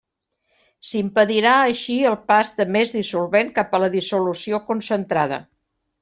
S'impedirà així el pas de més dissolvent cap a la dissolució concentrada.